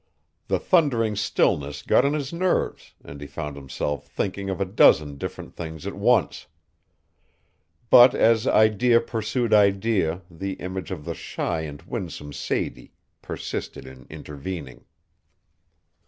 The thundering stillness got on his nerves and he found himself thinking of a dozen different things at once. But as idea pursued idea the image of the shy and winsome Sadie persisted in intervening.